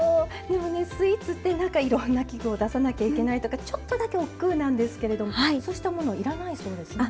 でもねスイーツって何かいろんな器具を出さなきゃいけないとかちょっとだけおっくうなんですけれどそうしたもの要らないそうですね。